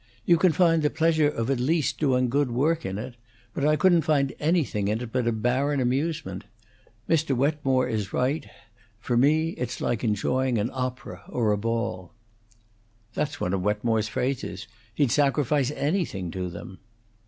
You can find the pleasure at least of doing good work in it; but I couldn't find anything in it but a barren amusement. Mr. Wetmore is right; for me, it's like enjoying an opera, or a ball." "That's one of Wetmore's phrases. He'd sacrifice anything to them."